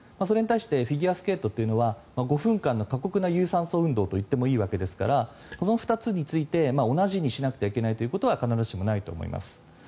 それに対してフィギュアスケートというのは５分間の過酷な有酸素運動といってもいいものですからこの２つについて同じようにしなくてはいけないということは必ずしもないと思います。